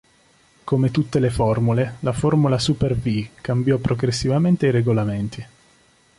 Come tutte le formule la Formula Super Vee cambiò progressivamente i regolamenti.